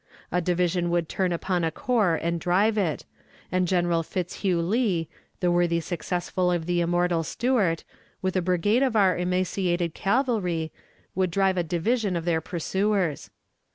A division would turn upon a corps and drive it; and General Fitzhugh Lee, the worthy successor of the immortal Stuart, with a brigade of our emaciated cavalry, would drive a division of their pursuers.